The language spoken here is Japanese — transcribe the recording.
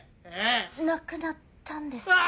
亡くなったんですか？